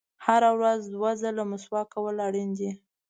• هره ورځ دوه ځله مسواک کول اړین دي.